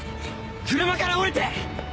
車から降りて！